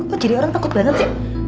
kok jadi orang takut banget sih